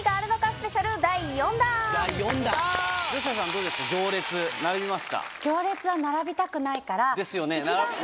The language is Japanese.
どうですか行列並びますか？